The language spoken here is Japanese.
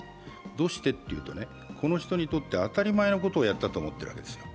どうしてというと、この人にとって当たり前のことをやったと思ってるんですよ。